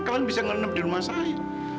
kalian bisa ngenap di rumah saya